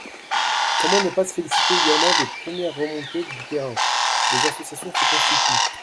Comment ne pas se féliciter également des premières remontées du terrain ? Des associations se constituent.